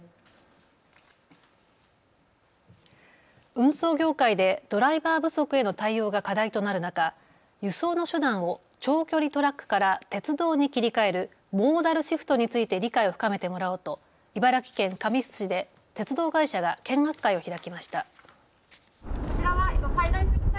運送業界でドライバー不足への対応が課題となる中、輸送の手段を長距離トラックから鉄道に切り替えるモーダルシフトについて理解を深めてもらおうと茨城県神栖市で鉄道会社が見学会を開きました。